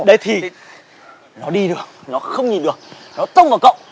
đấy thì nó đi đường nó không nhìn đường nó tông vào cậu